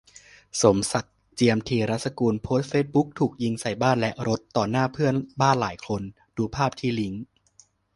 สมศักดิ์ เจียมธีรสกุล โพสต์เฟซบุ๊ก ถูกยิงใส่บ้านและรถ ต่อหน้าเพื่อนบ้านหลายคน - ดูภาพที่ลิงก์